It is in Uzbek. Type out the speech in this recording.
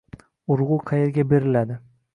Urg'u qayerga beriladi?